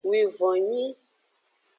Wivonnyui.